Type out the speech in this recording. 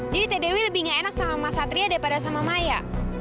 jadi tete wih lebih gak enak sama mas satria daripada sama maya